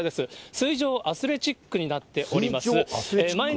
水上アスレチックになっております。